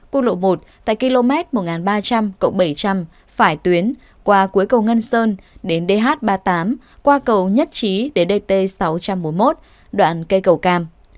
quốc lộ một tại km một nghìn ba trăm linh bảy trăm linh phải tuyến qua cuối cầu ngân sơn đến dh ba mươi tám qua cầu nhất trí đến dt sáu trăm bốn mươi một đoạn cây cầu cam